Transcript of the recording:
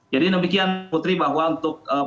jadi demikian putri bahwa untuk